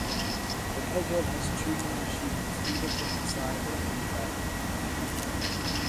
The peghead has tuning machines either from the side or from the back.